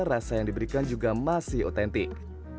rasa yang diberikan juga masih otentik